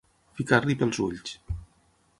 Ficar-li pels ulls.